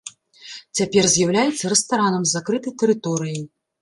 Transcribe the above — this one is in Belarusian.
Цяпер з'яўляецца рэстаранам з закрытай тэрыторыяй.